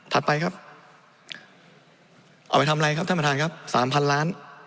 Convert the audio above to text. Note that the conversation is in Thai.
ไปครับเอาไปทำอะไรครับท่านประธานครับสามพันล้าน